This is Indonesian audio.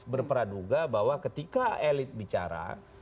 berperaduga bahwa ketika elit bicara